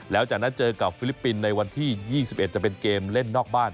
แล้วจากนั้นเจอกับฟิลิปปินส์ในวันที่๒๑จะเป็นเกมเล่นนอกบ้าน